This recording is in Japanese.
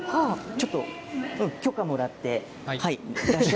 ちょっと、許可もらって。